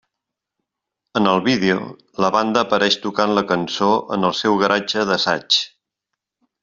En el vídeo, la banda apareix tocant la cançó en el seu garatge d'assaig.